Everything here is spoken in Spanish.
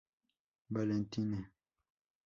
Valentine Mk.